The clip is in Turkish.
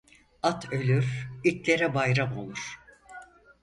At ölür, itlere bayram olur.